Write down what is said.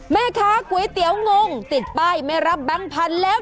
แม่ค้ากุยเตี๋ยวงงติดไปไม่รับบังพันธ์แล้ว